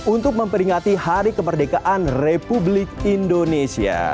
untuk memperingati hari kemerdekaan republik indonesia